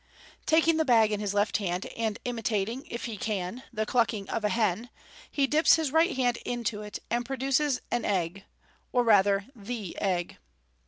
Taking the bag in his left hand, and imitating (if he can) the clacking of a hen, he dips his right hand into it, and produces an egg (or rather the egg).